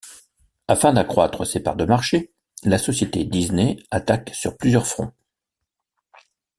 Afin d'accroître ses parts de marché, la société Disney attaque sur plusieurs fronts.